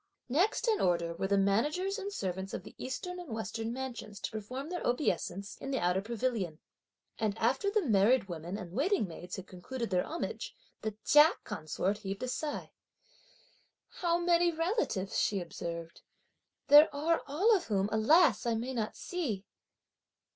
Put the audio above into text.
Next in order, were the managers and servants of the eastern and western mansions to perform their obeisance in the outer pavilion; and after the married women and waiting maids had concluded their homage, the Chia consort heaved a sigh. "How many relatives," she observed, "there are all of whom, alas! I may not see."